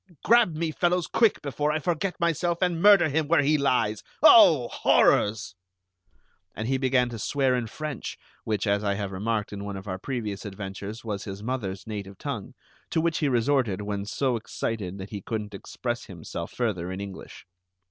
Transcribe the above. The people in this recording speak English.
Grab me, fellows, quick, before I forget myself and murder him where he lies! Oh, horrors!" And he began to swear in French, which, as I have remarked in one of our previous adventures, was his mother's native tongue, to which he resorted when so excited that he couldn't express himself further in English.